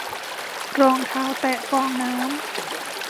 รองเท้าแตะฟองน้ำ